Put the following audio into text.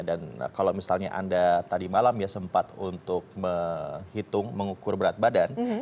dan kalau misalnya anda tadi malam ya sempat untuk menghitung mengukur berat badan